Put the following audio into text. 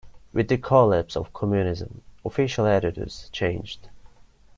With the collapse of communism, official attitudes changed.